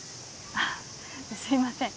あっすいません